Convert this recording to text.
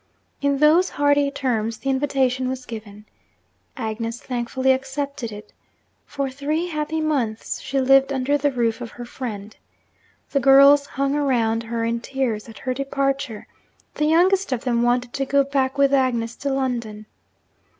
In those hearty terms the invitation was given. Agnes thankfully accepted it. For three happy months she lived under the roof of her friend. The girls hung round her in tears at her departure; the youngest of them wanted to go back with Agnes to London.